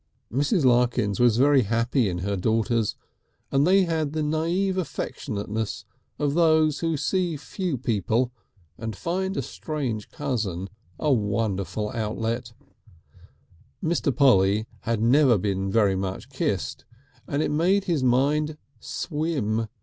Mrs. Larkins was very happy in her daughters, and they had the naïve affectionateness of those who see few people and find a strange cousin a wonderful outlet. Mr. Polly had never been very much kissed, and it made his mind swim.